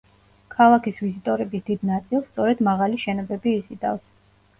ქალაქის ვიზიტორების დიდ ნაწილს, სწორედ მაღალი შენობები იზიდავს.